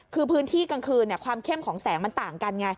คือพื้นที่กลางคืนความเข้มของแสงมันต่างกันไง